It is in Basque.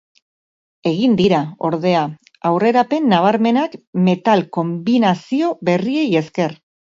Egin dira, ordea, aurrerapen nabarmenak metal konbinazio berriei esker.